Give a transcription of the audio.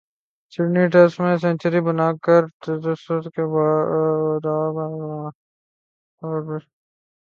Sydney test میں century بناکر چتیشور پجارا نے بناڈالے کئی records, V V S Laxman کو بھی چھوڑا پیچھے